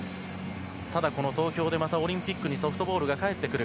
ただ、この東京でまたオリンピックにソフトボールが帰ってくる。